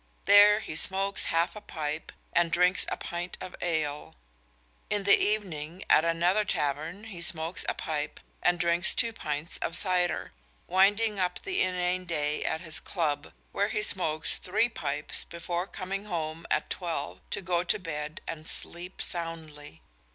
There he smokes half a pipe and drinks a pint of ale. In the evening at another tavern he smokes a pipe and drinks two pints of cider, winding up the inane day at his club, where he smokes three pipes before coming home at twelve to go to bed and sleep soundly.